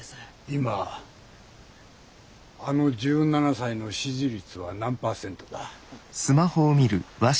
今あの１７才の支持率は何％だ？